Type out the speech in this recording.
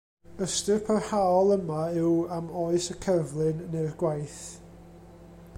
Ystyr parhaol yma yw am oes y cerflun neu'r gwaith.